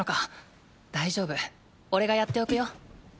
大丈夫おれがやっておくよ。